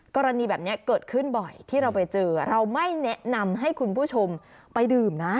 กรณีแบบนี้เกิดขึ้นบ่อยที่เราไปเจอเราไม่แนะนำให้คุณผู้ชมไปดื่มนะ